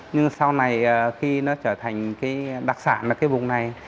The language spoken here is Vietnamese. nhưng sau này khi nó trở thành đặc sản ở cái vùng này